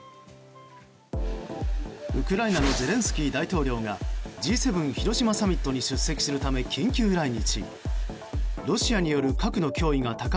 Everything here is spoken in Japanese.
ウクライナのゼレンスキー大統領がＧ７広島サミットに出席するため緊急来日。